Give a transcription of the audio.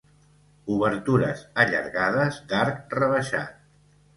Obertures allargades d'arc rebaixat.